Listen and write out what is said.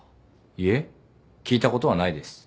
いえ聞いたことはないです。